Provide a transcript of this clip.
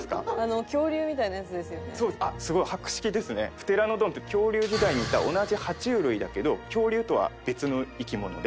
プテラノドンって恐竜時代にいた同じ爬虫類だけど恐竜とは別の生き物で。